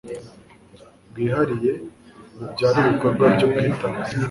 bwihariye bubyara ibikorwa by'ubwitange